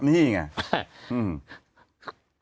นี่ไง